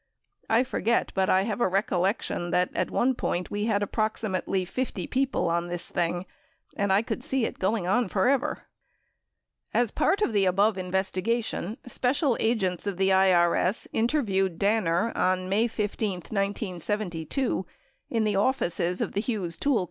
I forget, but I have a recollection that at one point we had ap proximately 50 people on this thing; and I could see it going on forever." 75 As part of the above investigation, special agents of the IRS inter viewed Danner on May 15, 1972, in the offices of the Hughes Tool Co.